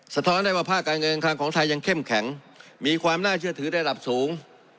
สะท้อนได้ว่าภาคการเงินการคลังของไทยยังเข้มแข็งมีความน่าเชื่อถือระดับสูง